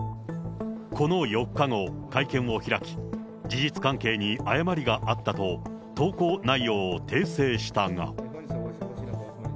この４日後、会見を開き、事実関係に誤りがあったと、投稿内容を訂正したが。